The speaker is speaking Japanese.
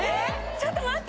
ちょっと待って・